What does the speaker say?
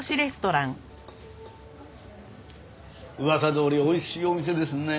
噂どおりおいしいお店ですね。